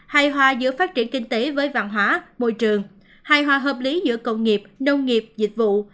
hài hòa giữa phát triển kinh tế với văn hóa môi trường hài hòa hợp lý giữa công nghiệp nông nghiệp dịch vụ